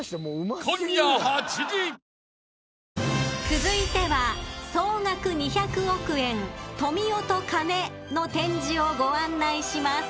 ［続いては「総額２００億富美男と金」の展示をご案内します］